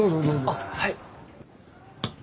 あっはい。